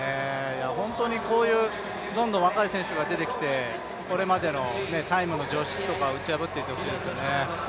こういうどんどん若い選手が出てきて、これまでのタイムの常識とか打ち破っていってほしいですよね。